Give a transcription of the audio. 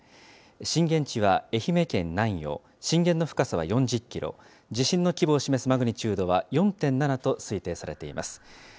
震源地は愛媛県南予、震源の深さは４０キロ、地震の規模を示すマグニチュードは４．７と推定されています。